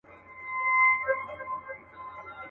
پیر به د خُم څنګ ته نسکور وو اوس به وي او کنه.